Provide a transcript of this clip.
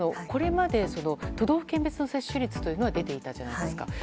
これまで都道府県別の接種率は出ていたじゃないですか。